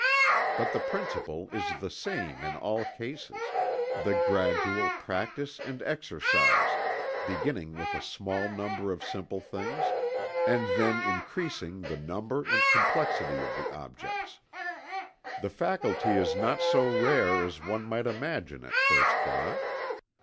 But the principle is the same in all cases the gradual practice and exercise, beginning with a small number of simple things, and then increasing the number and complexity of the objects. The faculty is not so rare as one might imagine at first thought.